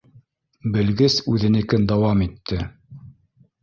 — Белгес үҙенекен дауам итте.